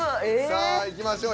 さあいきましょう。